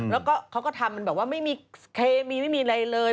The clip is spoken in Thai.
แล้วก็เขาก็ทำมันแบบว่าไม่มีเคมีไม่มีอะไรเลย